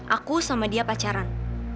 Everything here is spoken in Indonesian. aku sama dia pacaran